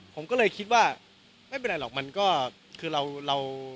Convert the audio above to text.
ผมก็เลยคิดว่าไม่เป็นไรหรอกมันก็คือเรา